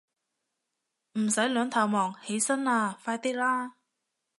唔使兩頭望，起身啦，快啲啦